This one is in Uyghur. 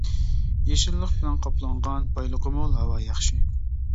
يېشىللىق بىلەن قاپلانغان، بايلىقى مول، ھاۋا ياخشى.